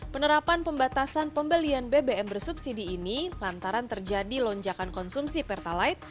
penerapan pembatasan pembelian bbm bersubsidi ini lantaran terjadi lonjakan konsumsi pertalite